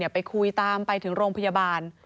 ไปคุยตามไปถึงโรงพยาบาล